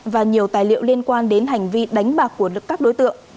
và nhiều tài liệu liên quan đến hành vi đánh bạc của các đối tượng